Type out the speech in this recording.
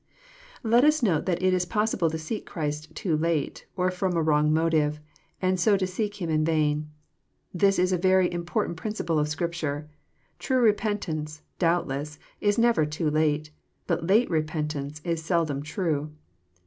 \\ Let us note that it is possible to seek Christ too late, or fh>m a wrong motive, and so to seek Him in vain. This is a very im portant principle of Scripture. True repentance, doubtless, is never too late, but late repentance is seldom true.